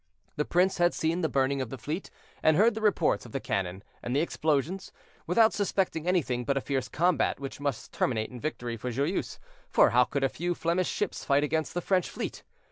The prince had seen the burning of the fleet, and heard the reports of the cannon and the explosions, without suspecting anything but a fierce combat, which must terminate in victory for Joyeuse; for how could a few Flemish ships fight against the French fleet?